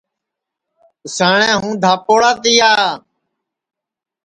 اُساٹؔے ہوں دھاپوڑا تیا